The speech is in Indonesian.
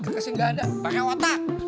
gak ada pake watak